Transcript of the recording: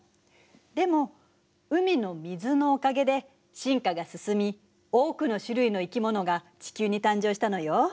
でも海の水のおかげで進化が進み多くの種類の生き物が地球に誕生したのよ。